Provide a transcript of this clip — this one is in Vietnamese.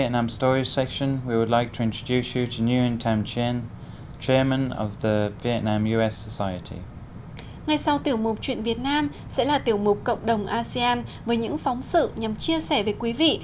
ngay sau tiểu mục chuyện việt nam sẽ là tiểu mục cộng đồng asean với những phóng sự nhằm chia sẻ với quý vị